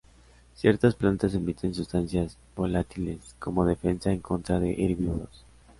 Ciertas plantas emiten sustancias volátiles como defensa en contra de herbívoros.